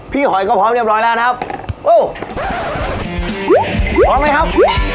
หอยก็พร้อมเรียบร้อยแล้วนะครับโอ้พร้อมไหมครับ